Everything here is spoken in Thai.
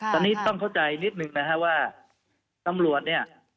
ตอนนี้ต้องเข้าใจนิดนึงนะฮะว่าตำรวจเนี่ย